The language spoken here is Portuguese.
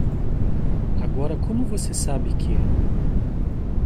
Agora, como você sabe que?